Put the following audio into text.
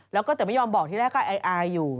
แล้วก็แต่ไม่ยอมบอกที่แรกก็อายอยู่